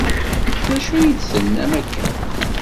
D acu ay d-tennam akka?